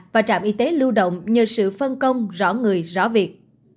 và trạm y tế lưu động nhờ sự phân công rõ người rõ việc